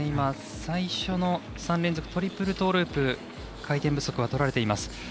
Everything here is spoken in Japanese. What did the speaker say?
最初の３連続トリプルトーループ回転不足はとられています。